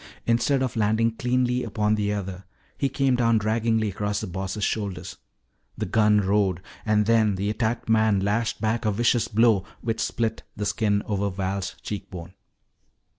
Instead of landing cleanly upon the other, he came down draggingly across the Boss' shoulders. The gun roared and then the attacked man lashed back a vicious blow which split the skin over Val's cheek bone.